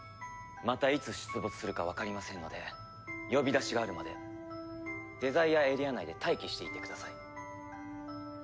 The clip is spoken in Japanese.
またいつ出没するかわかりませんので呼び出しがあるまでデザイアエリア内で待機していてください。